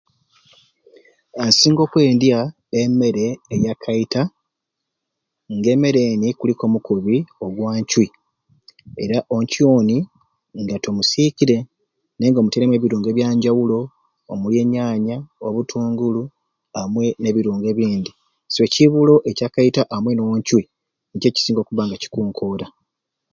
Nsinga okwendya emere eya kaita, nga emere eni kuliku omukubi ogwa ncwi era oncwi oni nga tomusikiire nayenga otairemu ebirungo ebyanjawulo omuli enyanya, obutungulu amwei nebirungo ebindi. So ekibulo ekyakaita amwei noncwi nikyo ekisinga okubba nga kikunkoora.